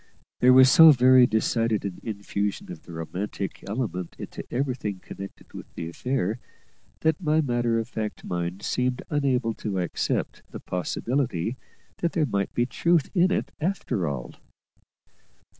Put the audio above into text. There was so very decided an infusion of the romantic element into everything connected with the affair, that my matter of fact mind seemed unable to accept the possibility that there might be truth in it after all.